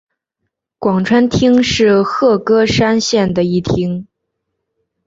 广川町是和歌山县的一町。